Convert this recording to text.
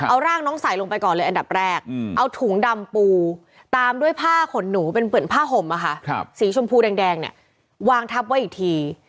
เอาร่างน้องใส่ลงไปก่อนเลยอันดับแรกเอาถุงดำปูตามด้วยผ้าขนหนูเป็นเหมือนผ้าห่มสีชมพูแดงเนี่ยวางทับไว้อีกที